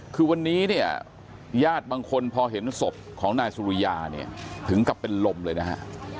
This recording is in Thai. คือวันนี้เนี่ยญาติบางคนพอเห็นศพของนายสุริยาเนี่ยถึงกับเป็นลมเลยนะฮะ